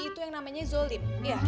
itu yang namanya zolim